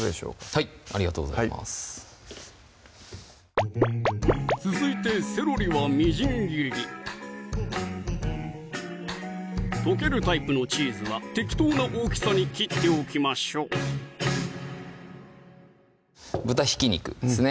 はいありがとうございます続いてセロリはみじん切り溶けるタイプのチーズは適当な大きさに切っておきましょう豚ひき肉ですね